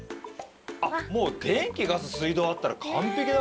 もう電気・ガス・水道あったら完璧だ。